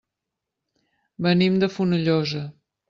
Venim de Fonollosa.